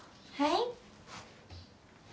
はい？